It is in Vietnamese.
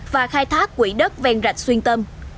và khai thác quỹ đất ven rạch xuyên tâm